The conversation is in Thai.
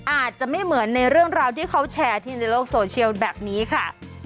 อาจจะไม่เหมือนในเรื่องราวที่เขาแชร์ที่ในโลกโซเชียลแบบนี้ค่ะ